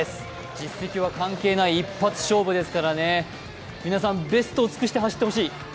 実績は関係ない、一発勝負ですからね、皆さん、ベストを尽くして走ってほしい。